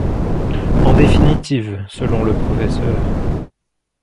En définitive, selon le Pr.